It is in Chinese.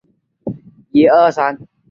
爪哇麦鸡是一种麦鸡。